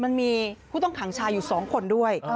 มันมีผู้ต้องขังชายอยู่๒คนด้วย